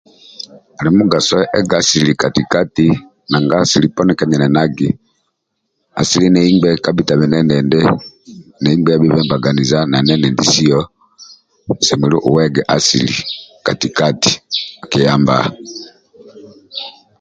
Ali mugaso ega kati-kati nanga asili poni kaenenagi asili ndie ingbe kabhi tabhi endie endindi ndie ingbe yabhibe na nendindisio osemelelu oege asíli kati-kati akiyamba